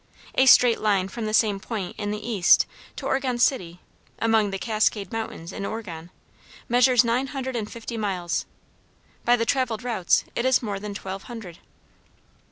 A straight line from the same point in the east to Oregon City, among the Cascade Mountains in Oregon, measures nine hundred and fifty miles; by the traveled routes it is more than twelve hundred.